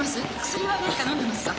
薬は何かのんでますか？